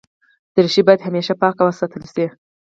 دریشي باید همېشه پاک وساتل شي.